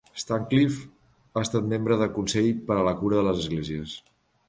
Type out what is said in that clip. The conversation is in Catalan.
Stancliffe ha estat membre de Consell per a la Cura de les Esglésies.